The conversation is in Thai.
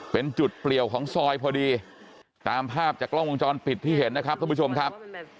เป็นจุดเปลี่ยวของซอยพอดีตามภาพจากกล้องวงจรปิดที่เห็นนะครับท่านผู้ชมครับ